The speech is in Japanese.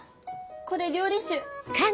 これ料理酒。